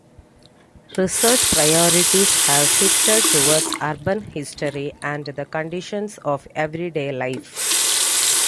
Research priorities have shifted toward urban history and the conditions of everyday life.